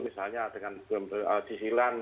misalnya dengan sisilan